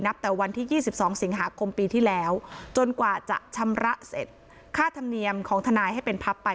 แต่วันที่๒๒สิงหาคมปีที่แล้วจนกว่าจะชำระเสร็จค่าธรรมเนียมของทนายให้เป็นพับไป